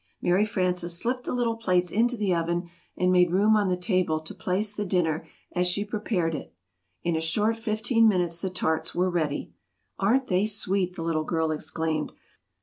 Mary Frances slipped the little plates into the oven, and made room on the table to place the dinner as she prepared it. In a short fifteen minutes the tarts were ready. "Aren't they sweet!" the little girl exclaimed.